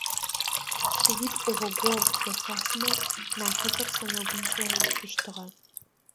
Шыуитӏу гъогогъу зэфэхъумэ, нахьыкӏэр сэмэгумкӏэ уцущтыгъэ.